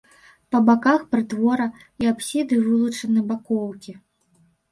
Па баках прытвора і апсіды вылучаны бакоўкі.